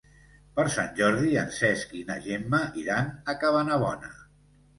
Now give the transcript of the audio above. Per Sant Jordi en Cesc i na Gemma iran a Cabanabona.